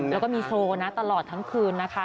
และมีโชว์ตลอดทั้งคืนนะครับ